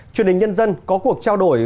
truyền hình nhân dân có cuộc trao đổi